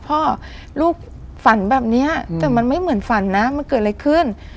พ่อลูกฝันแบบนี้แต่มันไม่เหมือนฝันนะมันเกิดอะไรขึ้น